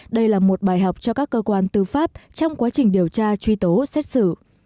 đây là một bài học cho các cơ quan tư pháp trong quá trình điều tra truy tố xét xử